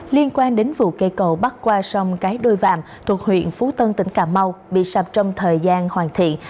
liên quan đến vụ cây cầu bắt qua sông cái đôi vạm thuộc huyện phú tân tỉnh cà mau bị sạp trong thời gian hoàn thiện